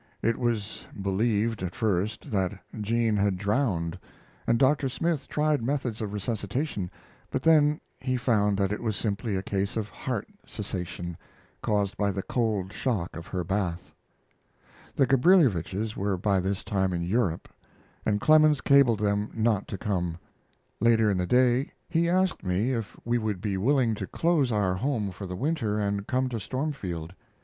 It was believed, at first; that Jean had drowned, and Dr. Smith tried methods of resuscitation; but then he found that it was simply a case of heart cessation caused by the cold shock of her bath. The Gabrilowitsches were by this time in Europe, and Clemens cabled them not to come. Later in the day he asked me if we would be willing to close our home for the winter and come to Stormfield.